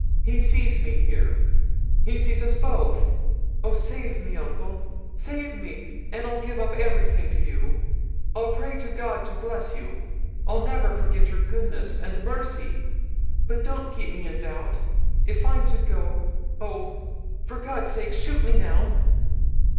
He sees me here. He sees us both. Oh, save me, uncle save me! and I'll give up everything to you. I'll pray to God to bless you I'll never forget your goodness and mercy. But don't keep me in doubt. If I'm to go, oh, for God's sake, shoot me now!'